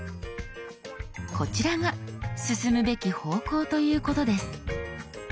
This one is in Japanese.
こちらが進むべき方向ということです。